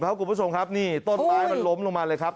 พระคุณผู้ชมครับต้นปลายมันล้มลงมาเลยครับ